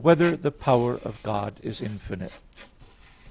2] Whether the Power of God Is Infinite?